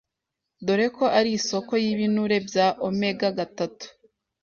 dore ko ari isoko y’ibinure bya omega-gatatu